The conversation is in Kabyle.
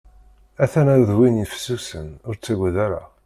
Aṭṭan-a d win fessusen, ur ttaggad ara.